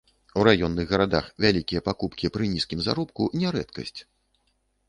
У раённых гарадах вялікія пакупкі пры нізкім заробку не рэдкасць.